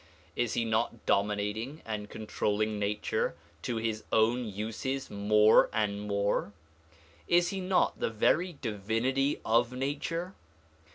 Is he not dominating and controlling nature to his own uses more and more? Is he not the very divinity of nature?